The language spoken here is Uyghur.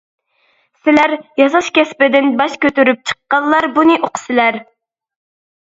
سىلەر ياساش كەسپىدىن باش كۆتۈرۈپ چىققانلار بۇنى ئۇقىسىلەر.